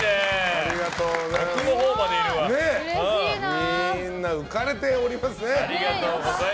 みんな浮かれてますね。